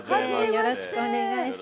よろしくお願いします。